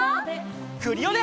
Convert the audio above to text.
クリオネ！